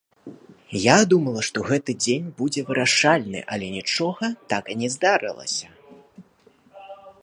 Я думала, што гэты дзень будзе вырашальны, але нічога так і не здарылася.